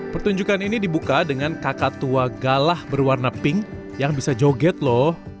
pertunjukan ini dibuka dengan kakak tua galah berwarna pink yang bisa joget loh